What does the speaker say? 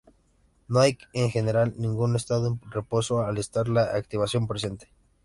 No hay, en general, ningún "estado en reposo" al estar la activación presente.